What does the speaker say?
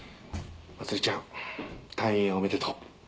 茉莉ちゃん退院おめでとう。